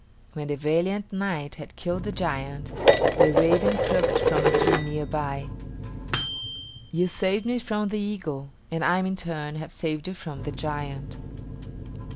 When the valiant knight had killed the giant, the raven croaked from a tree near by: "You saved me from the eagle, and I in turn have saved you from the giant."